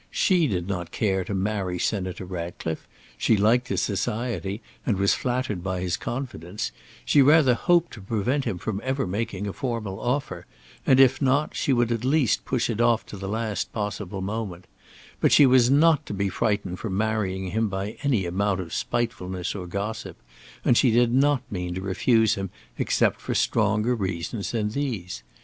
She did not care to marry Senator Ratcliffe; she liked his society and was flattered by his confidence; she rather hoped to prevent him from ever making a formal offer, and if not, she would at least push it off to the last possible moment; but she was not to be frightened from marrying him by any amount of spitefulness or gossip, and she did not mean to refuse him except for stronger reasons than these.